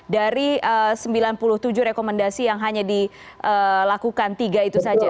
dari sembilan puluh tujuh rekomendasi yang hanya dilakukan tiga itu saja